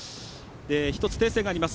１つ訂正があります。